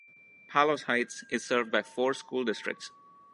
Palos Heights is served by four school districts.